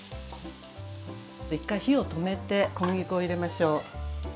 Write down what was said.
１回火を止めて小麦粉を入れましょう。